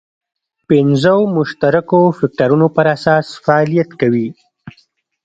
پنځو مشترکو فکټورونو پر اساس فعالیت کوي.